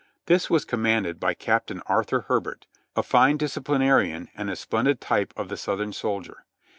This was commanded by Captain Ar thur Herbert, a fine disciplinarian and a splendid type of the Southern soldier.